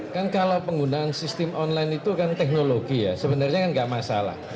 kan kalau penggunaan sistem online itu kan teknologi ya sebenarnya kan nggak masalah